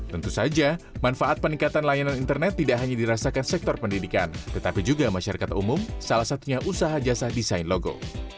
tentu saja manfaat peningkatan layanan internet tidak hanya dirasakan sektor pendidikan tetapi juga masyarakat umum salah satunya usaha jasa desain logo